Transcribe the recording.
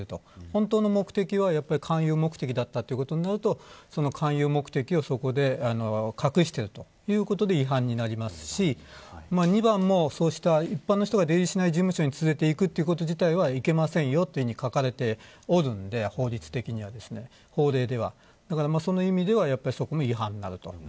本当の目的は、勧誘目的だったということになると勧誘目的をそこで隠しているということで違反になりますし２番も、そうした一般の人が出入りしない事務所に連れて行くということ自体いけませんよと書かれているので法律的にはその意味ではやっぱりそこも違反になる。